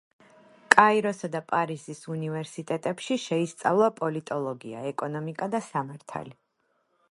კაიროსა და პარიზის უნივერსიტეტებში შეისწავლა პოლიტოლოგია, ეკონომიკა და სამართალი.